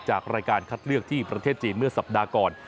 จากรายการคัดเลือกที่ประเทศจีนเมื่อสัปดาห์ก่อน